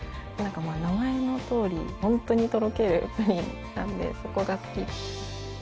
名前のとおり本当にとろけるプリンなのでそこが好き。